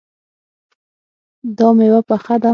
دا میوه پخه ده